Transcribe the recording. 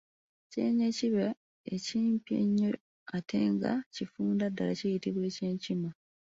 Ekyenyi ekiba ekimpi ennyo ate nga kifunda ddala kiyitibwa eky’enkima.